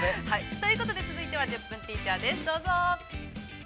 ◆ということで、続いては「１０分ティーチャー」です、どうぞ。